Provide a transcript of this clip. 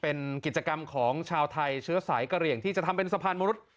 เป็นกิจกรรมของชาวไทยเชื้อสายกระเหลี่ยงที่จะทำเป็นสะพานมนุษย์